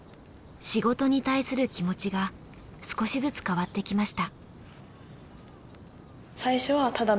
仕事に対する気持ちが少しずつ変わってきました。